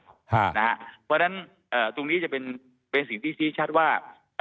เพราะฉะนั้นตรงนี้จะเป็นสิ่งที่ชี้ชัดว่า